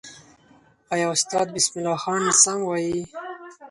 آیا استاد بسم الله خان سم وایي؟